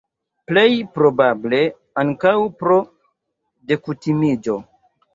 Plej probable, ankaŭ pro dekutimiĝo.